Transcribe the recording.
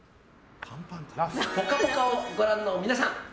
「ぽかぽか」をご覧の皆さん